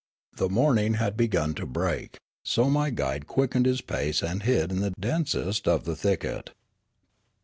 The morning had begun to break, so my guide quickened his pace and hid in the densest of the thicket.